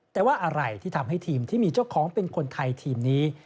แต่ว่าอะไรที่ทำให้ทีมที่มีเจ้าของเป็นคนไทยทีมนี้